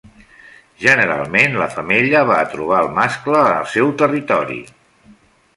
Generalment la femella va a trobar el mascle en el seu territori.